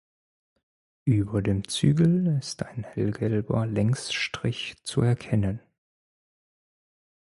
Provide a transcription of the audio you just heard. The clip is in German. Über dem Zügel ist ein hellgelber Längsstrich zu erkennen.